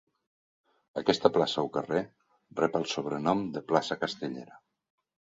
Aquesta plaça o carrer rep el sobrenom de plaça castellera.